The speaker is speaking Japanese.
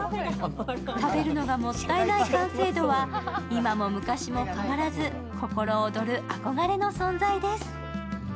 食べるのがもったいない完成度は今も昔も変わらず心躍る憧れの存在です。